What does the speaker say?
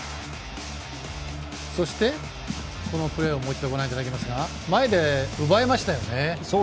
そして、このプレーをもう一度、ご覧いただきますが前で奪いましたよね。